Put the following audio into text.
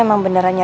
tidak ada ada ada